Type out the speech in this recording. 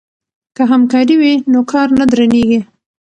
که همکاري وي نو کار نه درنیږي.